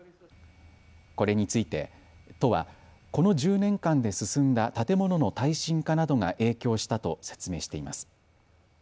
これについて都はこの１０年間で進んだ建物の耐震化などが影響したと説明しています。